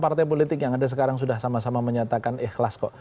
partai politik yang ada sekarang sudah sama sama menyatakan ikhlas kok